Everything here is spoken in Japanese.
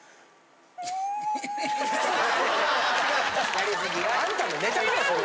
・やりすぎ！